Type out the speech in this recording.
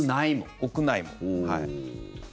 屋内も。